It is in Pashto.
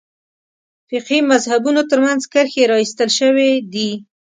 فقهي مذهبونو تر منځ کرښې راایستل شوې دي.